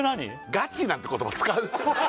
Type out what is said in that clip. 「ガチ」なんて言葉使う？